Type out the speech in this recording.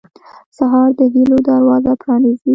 سهار د هيلو دروازه پرانیزي.